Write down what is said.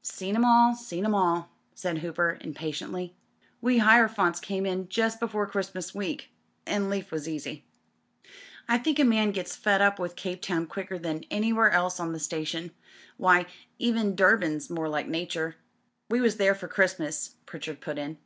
"Seen 'em all. Seen 'em all," said Hooper im patiently. "We Hierophants came in just before Christmas I7eek an' leaf was easy." MRS. BATHURST 327 "I think a man gets fed up with Cape Town quicker than anywhere else on the station. Why, even Dur ban's more like Nature. We was there for Christmas," Pritchard put in.